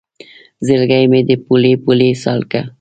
زړګی مې دی پولۍ پولۍ سالکه